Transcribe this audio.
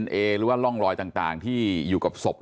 แล้วก็ยัดลงถังสีฟ้าขนาด๒๐๐ลิตร